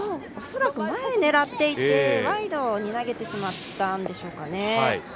おそらく前狙っていて、ワイドに投げてしまったんでしょうかね。